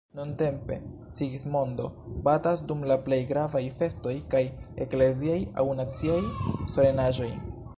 Nuntempe "Sigismondo" batas dum la plej gravaj festoj kaj ekleziaj aŭ naciaj solenaĵoj.